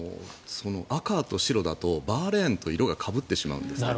赤と白だとバーレーンと色がかぶってしまうんです。